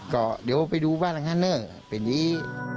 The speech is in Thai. ก็เดี๋ยวไปดูบ้านเนอร์เป็นอย่างนี้